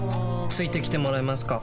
付いてきてもらえますか？